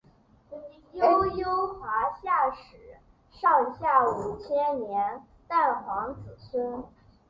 悠悠华夏史上下五千年炎黄子孙